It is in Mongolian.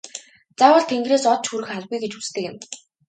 Заавал тэнгэрээс од шүүрэх албагүй гэж үздэг юм.